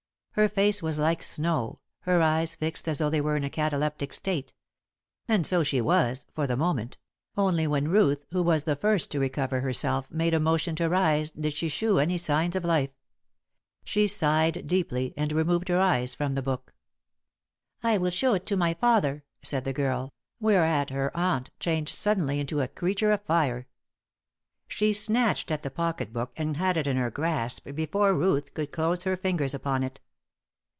Her face was like snow, her eyes fixed as though she were in a cataleptic state. And so she was for the moment. Only when Ruth, who was the first to recover herself, made a motion to rise did she shew any signs of life. She sighed deeply and removed her eyes from the book. "I will shew it to my father," said the girl; whereat her aunt changed suddenly into a creature of fire. She snatched at the pocket book and had it in her grasp before Ruth could close her fingers upon it.